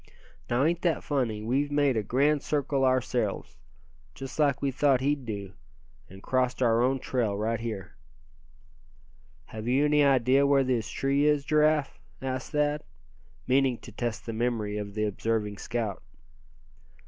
Now, ain't that funny, we've made a grand circle ourselves, just like we thought he'd do; and crossed our own trail right here." "Have you any idea where this tree is, Giraffe?" asked Thad, meaning to test the memory of the observing scout.